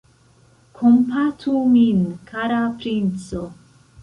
Kompatu min, kara princo!